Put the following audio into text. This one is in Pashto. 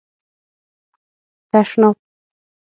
🚾 تشناب